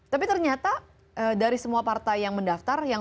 tapi ternyata dari semua partai yang mendaftar